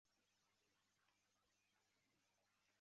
灰林鸽为鸠鸽科鸽属的鸟类。